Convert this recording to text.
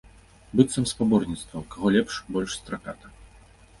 Быццам спаборніцтва, у каго лепш, больш страката.